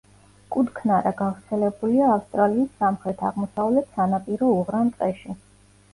კუდქნარა გავრცელებულია ავსტრალიის სამხრეთ-აღმოსავლეთ სანაპირო უღრან ტყეში.